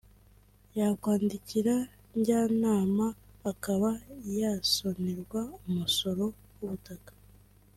yakwandikira njyanama akaba yasonerwa umusoro w’ubutaka